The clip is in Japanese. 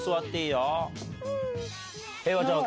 平和ちゃん